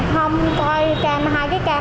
không coi cam hai cái cam